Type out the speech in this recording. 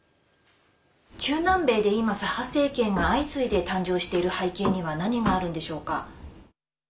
中南米で今、左派政権が相次いで誕生している背景には何があるんでしょうか。